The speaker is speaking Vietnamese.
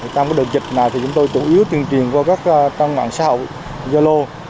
trong đợt dịch này chúng tôi tự ước tuyên truyền qua các trang mạng xã hội do lô